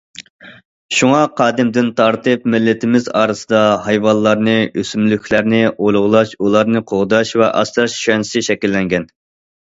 شۇڭا قەدىمدىن تارتىپ مىللىتىمىز ئارىسىدا ھايۋانلارنى، ئۆسۈملۈكلەرنى ئۇلۇغلاش، ئۇلارنى قوغداش ۋە ئاسراش چۈشەنچىسى شەكىللەنگەن.